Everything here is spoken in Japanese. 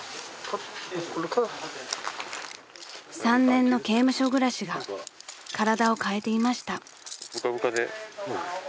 ［３年の刑務所暮らしが体を変えていました］